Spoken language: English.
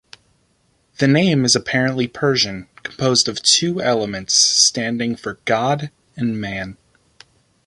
The name is apparently Persian, composed of two elements standing for "god" and "man".